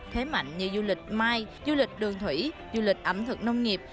thế mạnh như du lịch mai du lịch đường thủy du lịch ẩm thực nông nghiệp